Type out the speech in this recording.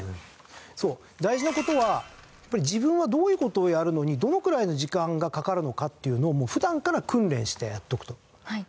そう大事な事は自分はどういう事をやるのにどのくらいの時間がかかるのかっていうのを普段から訓練してやっておくと。